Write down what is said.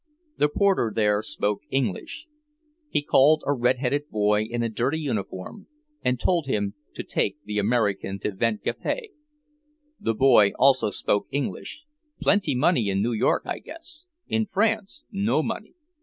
The porter there spoke English. He called a red headed boy in a dirty uniform and told him to take the American to vingt quatre. The boy also spoke English. "Plenty money in New York, I guess! In France, no money."